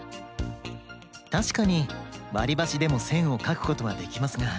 たしかにわりばしでもせんをかくことはできますが。